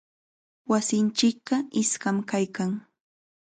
Wasinchikqa iskam kaykan.